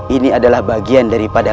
ini adalah bagian daripada